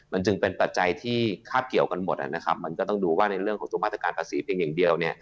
มันจึงเป็นปัจจัยที่คาบเกี่ยวกันหมดนะครับมันก็ต้องดูว่าในเรื่องของตัวมาตรการภาษีเพียงอย่างเดียวเนี่ย